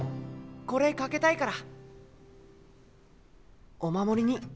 これ掛けたいからお守りに。